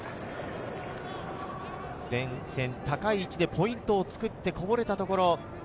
前線の高い位置でポイントを作って、こぼれたところ。